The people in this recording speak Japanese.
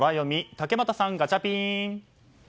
竹俣さん、ガチャピン！